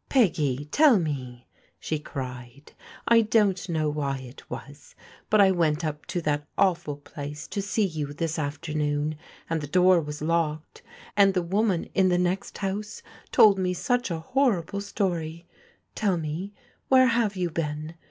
" Peggy ! tell me !" she cried. " I don't know why it was, but I went up to that awful place to see you this afternoon, and the door was locked, and the woman in the next house told me such a horrible story! Tell me, where have you been?